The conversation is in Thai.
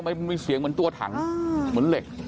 มันมีเสียงเหมือนตัวถังเหมือนเหล็ก